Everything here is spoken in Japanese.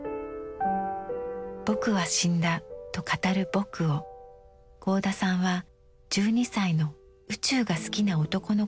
「ぼくはしんだ」と語る「ぼく」を合田さんは１２歳の宇宙が好きな男の子として描きました。